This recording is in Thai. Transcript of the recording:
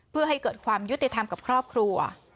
เพื่อให้เกิดความยุติธรรมกับครอบครัว